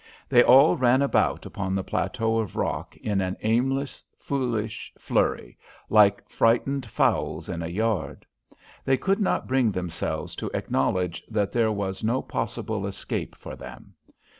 They all ran about upon the plateau of rock in an aimless, foolish flurry, like frightened fowls in a yard. They could not bring themselves to acknowledge that there was no possible escape for them.